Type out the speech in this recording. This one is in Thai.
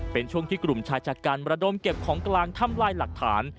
เป็นช่วงที่กลุ่มชายจัดการระดมเก็บของกลางทำลายหลักฐาน